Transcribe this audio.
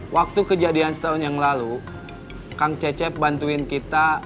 waktu kejadian setahun yang lalu kang cecep bantuin kita